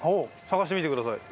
探してみてください。